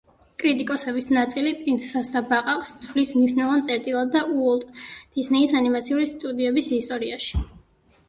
კრიტიკოსების ნაწილი „პრინცესას და ბაყაყს“ თვლის მნიშვნელოვან წერტილად უოლტ დისნეის ანიმაციური სტუდიების ისტორიაში.